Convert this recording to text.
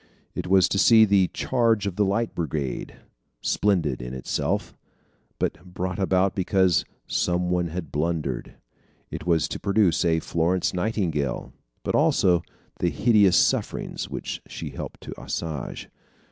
It was to see the "Charge of the Light Brigade" splendid in itself, but brought about because "some one had blundered." It was to produce a Florence Nightingale but also the hideous sufferings which she helped to assuage.